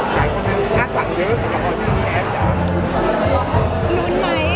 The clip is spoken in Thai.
มาเฉินสู่แผงแล้วว่ารู้ว่างานรุนไหม